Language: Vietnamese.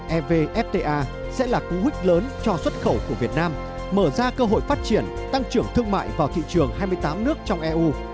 evfta sẽ là cú hích lớn cho xuất khẩu của việt nam mở ra cơ hội phát triển tăng trưởng thương mại vào thị trường hai mươi tám nước trong eu